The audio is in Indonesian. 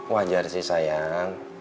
wajar sih sayang